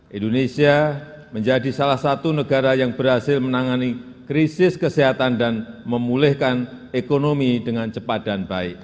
indonesia menjadi salah satu negara yang berhasil menangani krisis kesehatan dan memulihkan ekonomi dengan cepat dan baik